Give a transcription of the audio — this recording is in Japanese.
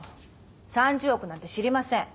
３０億なんて知りません。